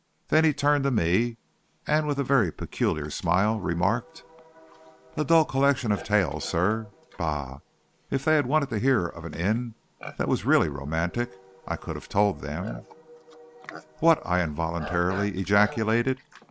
Then he turned to me, and with a very peculiar smile, remarked: "'A dull collection of tales, sir. Bah! if they had wanted to hear of an inn that was really romantic, I could have told them ' "'What?' I involuntarily ejaculated.